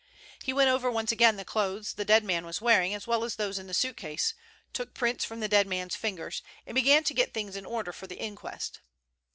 He went over once again the clothes the dead man was wearing as well as those in the suitcase, took prints from the dead man's fingers, and began to get things in order for the inquest.